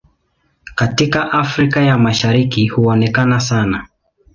Katika Afrika ya Mashariki huonekana sana.